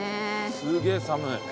すげぇ寒い。